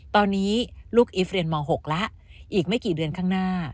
ตอนนี้ลูกอีฟเรียนม๖แล้วอีกไม่กี่เดือนข้างหน้า